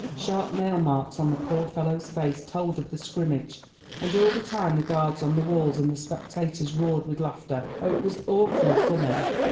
Sharp nailmarks on the poor fellow's face told of the scrimmage, and all the time the guards on the walls and the spectators roared with laughter. Oh, it was awfully funny!